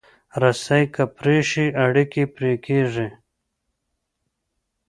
رسۍ که پرې شي، اړیکې پرې کېږي.